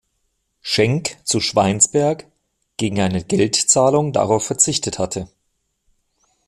Schenck zu Schweinsberg, gegen eine Geldzahlung darauf verzichtet hatte.